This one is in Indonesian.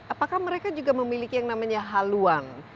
apakah mereka juga memiliki yang namanya haluan